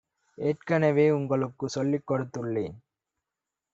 ஏற்கனவே உங்களுக்கு சொல்லிக் கொடுத்துள்ளேன்.